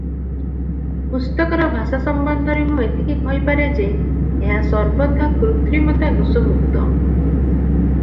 ପୁସ୍ତକର ଭାଷା ସମ୍ବନ୍ଧରେ ମୁଁ ଏତିକି କହିପାରେଁ ଯେ, ଏହା ସର୍ବଥା କୃତ୍ରିମତା ଦୋଷମୁକ୍ତ ।